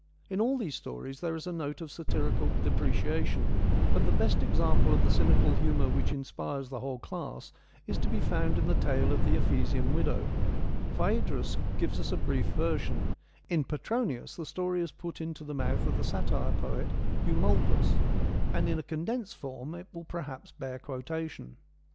In all these stories there is a note of satirical depreciation, but the best example of the cynical humour which inspires the whole class is to be found in the tale of the Ephesian Widow. Phaedrus gives a brief version ; in Petronius the story is put into the mouth of the satyr poet Eumolpus, and in a 54 FEMINISM IN GREEK LITERATURE condensed form it will perhaps bear quotation.